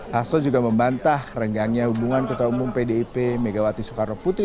hasto juga membantah renggangnya hubungan ketua umum pdip megawati soekarno putri